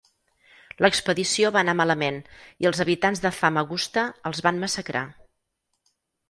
L'expedició va anar malament i els habitants de Famagusta els van massacrar.